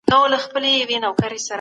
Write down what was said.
آيا احصائيه په ټولنپوهنه کي مهمه ده؟